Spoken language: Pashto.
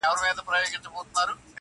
نه په کوډګرو نه په مُلا سي!